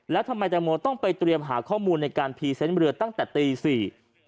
แล้วทำไมแตงโมต้องไปเตรียมหาข้อมูลในการพรีเซนต์เรือตั้งแต่ตีสี่